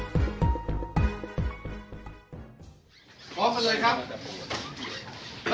ร่วมทางกลิ่นกฎหมายด้วยกัน